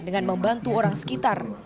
dengan membantu orang sekitar